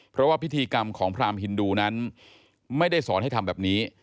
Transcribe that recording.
เพราะว่าพิธีกรรมของพรามฮินดูนั้นไม่ได้สอนให้ทำแบบนี้